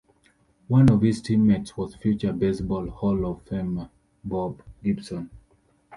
One of his teammates was future Baseball Hall-of-Famer Bob Gibson.